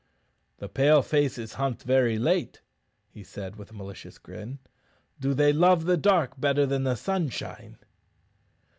"The Pale faces hunt very late," he said, with a malicious grin. "Do they love the dark better than the sunshine?"